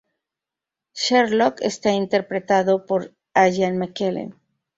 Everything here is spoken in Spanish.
Sherlock está interpretado por Ian McKellen.